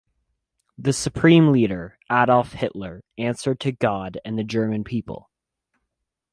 The supreme leader, Adolf Hitler, answered to God and the German people.